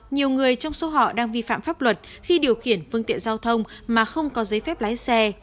nhiều người trong số họ đang vi phạm pháp luật khi điều khiển phương tiện giao thông mà không có giấy phép lái xe